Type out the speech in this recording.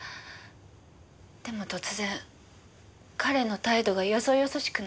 でも突然彼の態度がよそよそしくなって。